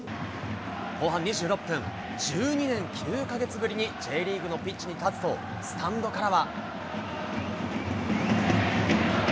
後半２６分、１２年９か月ぶりにＪリーグのピッチに立つと、スタンドからは。